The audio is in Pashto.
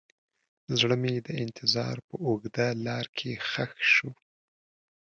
زړه مې د انتظار په اوږده لاره کې ښخ شو.